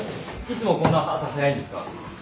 いつもこんな朝早いんですか？